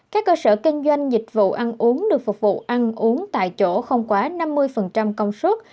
các cơ sở kinh doanh dịch vụ ăn uống được phục vụ ăn uống tại chỗ không quá năm mươi công suất